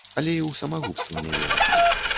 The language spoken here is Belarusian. Але і ў самагубства не веру.